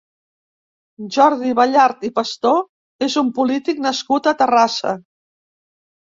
Jordi Ballart i Pastor és un polític nascut a Terrassa.